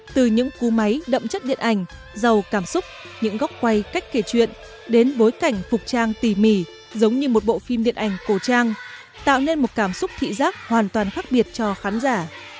từ những cú máy đậm chất điện ảnh giàu cảm xúc những góc quay cách kể chuyện đến bối cảnh phục trang tỉ mỉ giống như một bộ phim điện ảnh cổ trang tạo nên một cảm xúc thị giác hoàn toàn khác biệt cho khán giả